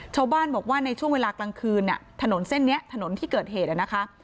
ชาวบ้านบอกว่าในช่วงเวลากลางคืนถนนเส้นนี้ถนนที่เกิดเหตุนะคะ